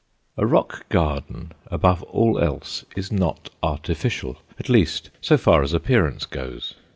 A rock garden, above all else, is not artificial; at least, so far as appearance goes.